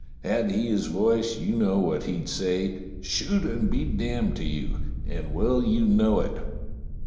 Had he his voice you know what he'd say — 'Shoot and be damned to you!' and well you know it.